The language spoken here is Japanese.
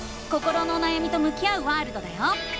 心のおなやみと向き合うワールドだよ！